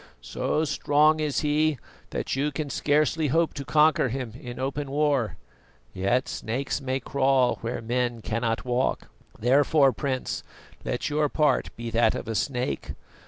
So strong is he that you can scarcely hope to conquer him in open war yet snakes may crawl where men cannot walk. Therefore, Prince, let your part be that of a snake.